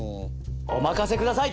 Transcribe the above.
お任せください！